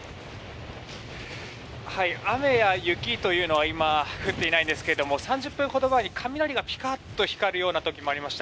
雨や雪というのは今、降っていないんですけれども３０分ほど前に雷がピカッと光るような時もありました。